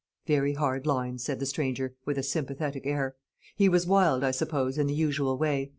"Very hard lines," said the stranger, with a sympathetic air. "He was wild, I suppose, in the usual way.